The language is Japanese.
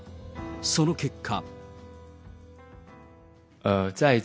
その結果。